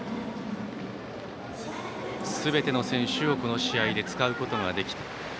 すべての選手をこの試合で使うことができた。